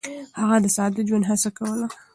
هغه د ساده ژوند هڅه کوله.